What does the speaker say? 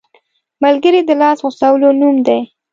ملګری د لاس غځولو نوم دی